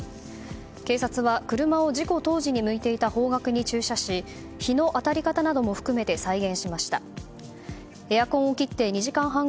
警察は車を事故当時に向いていた方角に駐車し、日の当たり方も含めて再現しました。